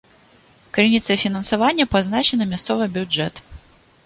Крыніцай фінансавання пазначаны мясцовы бюджэт.